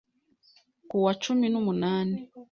Ku wa cumi numunani